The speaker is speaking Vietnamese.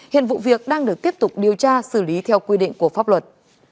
hiện vụ việc đang được tiếp tục điều tra xử lý theo quy định của pháp luật